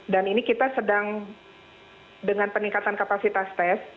dan ini kita sedang dengan peningkatan kapasitas tes